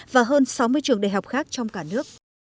và hơn sáu mươi trường đại học khác trong cả nước